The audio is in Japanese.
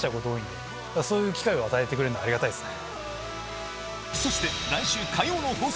そういう機会を与えてくれるのはありがたいですね。